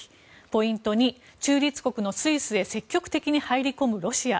ポイント２、中立国のスイスへ積極的に入り込むロシア。